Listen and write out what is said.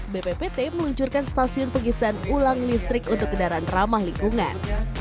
bppt meluncurkan stasiun pengisian ulang listrik untuk kendaraan ramah lingkungan